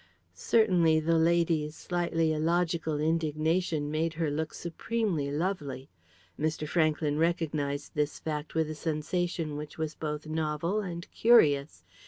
Certainly the lady's slightly illogical indignation made her look supremely lovely. Mr. Franklyn recognised this fact with a sensation which was both novel and curious.